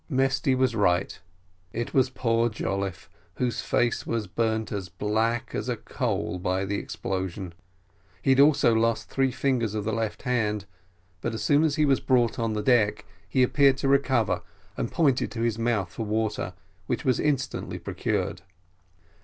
Mesty was right; it was poor Jolliffe, whose face was burned as black as a coal by the explosion. He had also lost three fingers of the left hand, but as soon as he was brought out on the deck he appeared to recover, and pointed to his mouth for water, which was instantly procured.